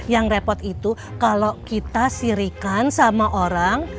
yang repot itu kalau kita sirikan sama orang